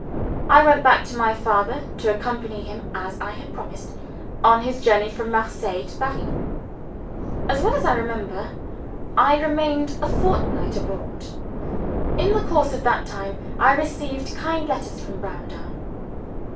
I went back to my father, to accompany him, as I had promised, on his journey from Marseilles to Paris. As well as I remember, I remained a fortnight abroad. In the course of that time, I received kind letters from Browndown.